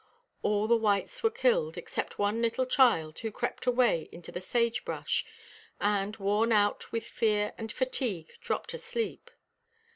All the whites were killed, except one little child, who crept away into the sagebrush, and, worn out with fear and fatigue, dropped asleep.